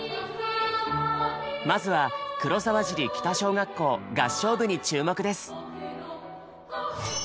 まずは黒沢尻北小学校合唱部に注目です。